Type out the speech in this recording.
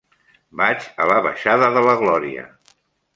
Vaig a la baixada de la Glòria.